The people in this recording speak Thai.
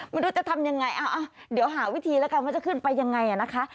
ไม่รู้จะทำยังไงเดี๋ยวหาวิธีแล้วกันว่าจะขึ้นไปยังไงนะคะ